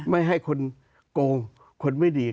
ไม่ให้คนโกงคนไม่ดี